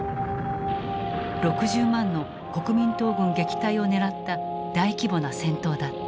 ６０万の国民党軍撃退を狙った大規模な戦闘だった。